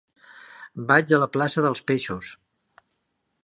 Vaig a la plaça dels Peixos.